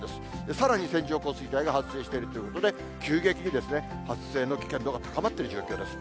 さらに線状降水帯が発生しているということで、急激に発生の危険度が高まっている状況です。